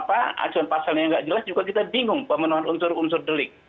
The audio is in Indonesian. acuan pasalnya nggak jelas juga kita bingung pemenuhan unsur unsur delik